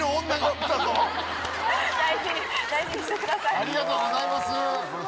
ありがとうございます。